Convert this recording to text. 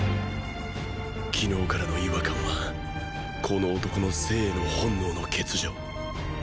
昨日からの違和感はこの男の“生”への本能の欠如。